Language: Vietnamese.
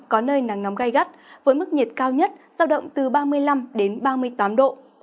có nơi nắng nóng gai gắt với mức nhiệt cao nhất giao động từ ba mươi năm đến ba mươi tám độ